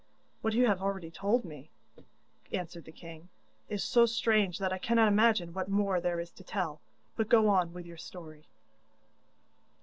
'What you have already told me,' answered the king, 'is so strange that I cannot imagine what more there is to tell, but go on with your story.